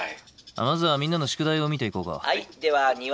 まずはみんなの宿題を見ていこうか。